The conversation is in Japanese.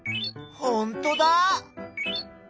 ほんとだ！